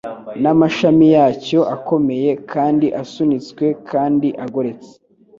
n'amashami yacyo akomeye kandi asunitswe kandi agoretse